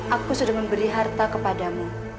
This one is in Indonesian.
aku sudah memberi harta kepadamu